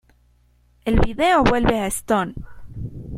El vídeo vuelve a Stone.